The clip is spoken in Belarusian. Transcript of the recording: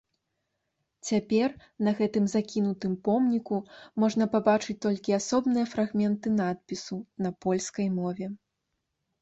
Цяпер на гэтым закінутым помніку можна пабачыць толькі асобныя фрагменты надпісу на польскай мове.